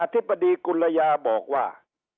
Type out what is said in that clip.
ธิบดีกุลยาบอกว่า